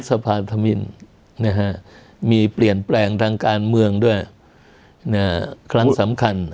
พฤษภาธมิณเนี่ยฮะมีเปลี่ยนแปลงทางการเมืองด้วยเนี่ยครั้งสำคัญ